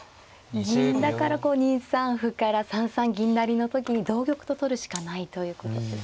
銀だから２三歩から３三銀成の時に同玉と取るしかないということですか。